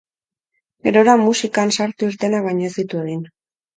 Gerora musikan sartu-irtenak baino ez ditu egin.